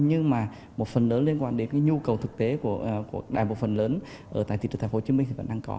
nhưng mà một phần lớn liên quan đến cái nhu cầu thực tế của đại bộ phần lớn ở tại thị trường thành phố hồ chí minh thì vẫn đang có